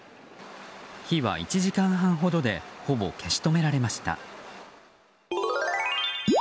火は１時間ほどでほぼ消し止められました。